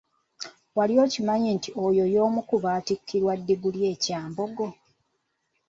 Wali okimanyi nti oyo omu ku baatikkirwa ddiguli e Kyambogo?